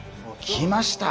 きました！